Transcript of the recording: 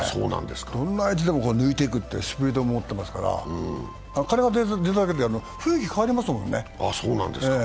どんな相手でも抜いていくというスピード持ってますから、彼が出るだけで雰囲気変わりますもんね。